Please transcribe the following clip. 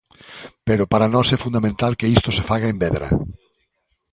Pero para nós é fundamental que isto se faga en Vedra.